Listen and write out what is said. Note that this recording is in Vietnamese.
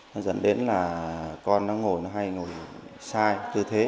nó dẫn đến là con nó ngồi nó hay ngồi sai tư thế